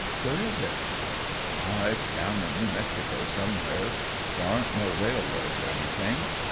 "Where is it?" "Aw, it's down in New Mexico somewheres. There aren't no railroads or anything.